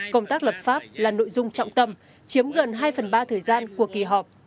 công tác lập pháp là nội dung trọng tâm chiếm gần hai phần ba thời gian của kỳ họp